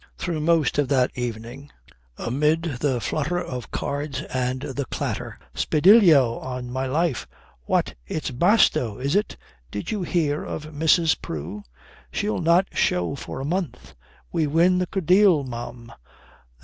Through most of that evening, amid the flutter of cards and the clatter "Spadillio, on my life! What, it's Basto, is it? Did you hear of Mrs. Prue? She'll not show for a month. We win the Codille, ma'am.